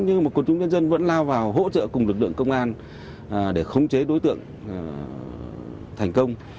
nhưng mà quân chúng nhân dân vẫn lao vào hỗ trợ cùng lực lượng công an để khống chế đối tượng thành công